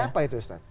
seperti apa itu ustaz